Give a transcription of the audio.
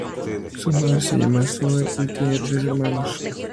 Su madre se llama Sue y tiene tres hermanos.